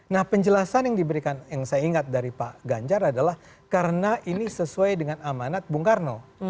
nah penjelasan yang diberikan yang saya ingat dari pak ganjar adalah karena ini sesuai dengan amanat bung karno